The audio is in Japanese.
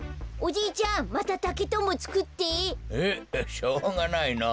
しょうがないのぉ。